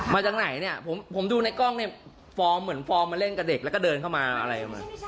มาจากไหนเนี่ยผมดูในกล้องเนี่ยฟอร์มเหมือนฟอร์มมาเล่นกับเด็กแล้วก็เดินเข้ามาอะไรประมาณ